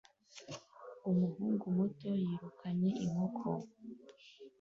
umuhungu muto yirukanye inkoko